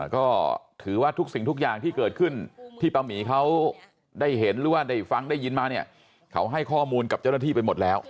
ก็ถือว่าทุกสิ่งทุกอย่างที่เกิดขึ้นที่ป้าหมีเขาได้เห็นหรือว่าได้ฟังได้ยินมาเนี่ยเขาให้ข้อมูลกับเจ้าหน้าที่ไปหมดแล้ว